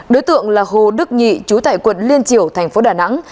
đối tượng là hồ đức nhị chú tại quận liên triều tp đà nẵng